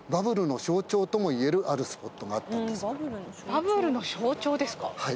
バブルの象徴ですか。